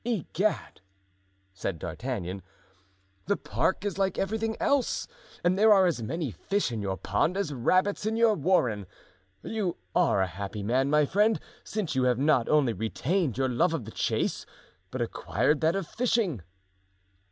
"Egad," said D'Artagnan, "the park is like everything else and there are as many fish in your pond as rabbits in your warren; you are a happy man, my friend since you have not only retained your love of the chase, but acquired that of fishing."